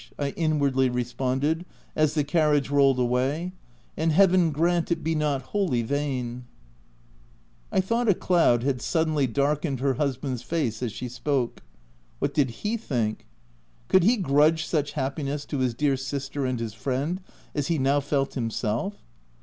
I inwardly re sponded as the carriage rolled away — "and Heaven grant it be not wholly vain !" I thought a cloud had suddenly darkened her husband's face as she spoke. What did he think ? Could he grudge such happiness to his dear sister and his friend as he now felt himself?